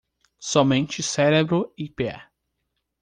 Somente cérebro e pé